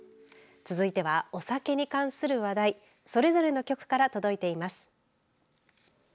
続いてはお酒に関する話題それぞれの局から届いています。